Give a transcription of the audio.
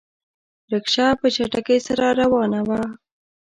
رکشه په چټکۍ سره روانه وه.